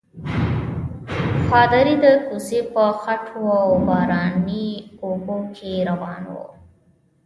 پادري د کوڅې په خټو او باراني اوبو کې روان وو.